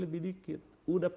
lebih dikit udah pas